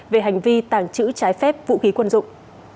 về hành vi tàng trữ trái phép vũ khí quân dụng